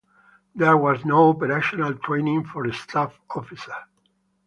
There was no operational training for staff officers.